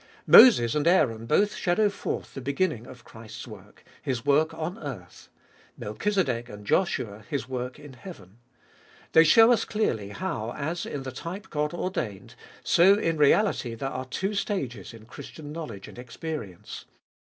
Moses and Aaron both shadow forth the beginning of Christ's work — His work on earth ; Melchizedek and Joshua His work in heaven. They show us clearly how, as in the type God ordained, so in reality there are two stages in Christian knowledge and experi ence.